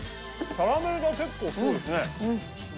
キャラメルが結構すごいですね。